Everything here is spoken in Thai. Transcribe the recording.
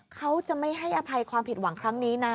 เขาจะไม่ให้อภัยความผิดหวังครั้งนี้นะ